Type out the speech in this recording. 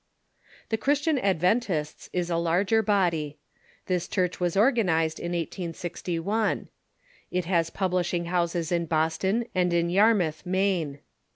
The Christian Adventists is a larger body. This Church was organized in ISGl. It has publishing houses in Boston and in Yarmouth, Maine.